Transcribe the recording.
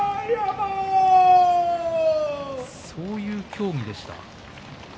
そういう協議でした。